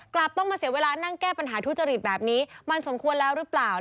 กลับต้องมาเสียเวลานั่งแก้ปัญหาทุจริตแบบนี้มันสมควรแล้วหรือเปล่า